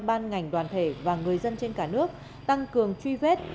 ban ngành đoàn thể và người dân trên cả nước tăng cường truy vết